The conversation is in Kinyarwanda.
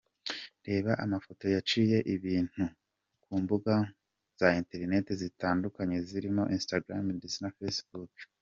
Reba amafoto yaciye ibintu ku mbuga za interineti zitandukanye zirimo Instagram ndetse na Facebook.